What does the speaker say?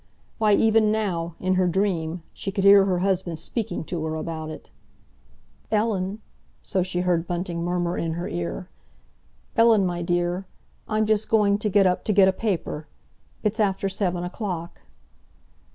Why, even now, in her dream, she could hear her husband speaking to her about it: "Ellen"—so she heard Bunting murmur in her ear—"Ellen, my dear, I'm just going to get up to get a paper. It's after seven o'clock."